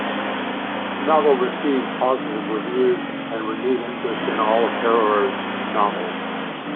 The novel received positive reviews and renewed interest in all of Harrower's novels.